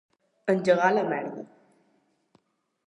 Engegar a la merda.